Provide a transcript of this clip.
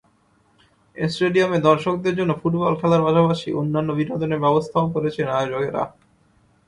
স্টেডিয়ামে দর্শকদের জন্য ফুটবল খেলার পাশাপাশি অন্যান্য বিনোদনের ব্যবস্থাও করেছেন আয়োজকেরা।